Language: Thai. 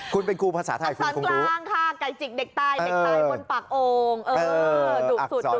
คุณเป็นครูภาษาไทยคุณคงรู้อักษรกลางค่ะไก่จิกเด็กตายบนปากโอ่ง